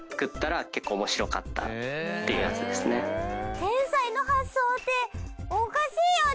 天才の発想っておかしいよね！